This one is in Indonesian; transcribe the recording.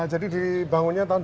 jadi dibangunnya tahun dua ribu dua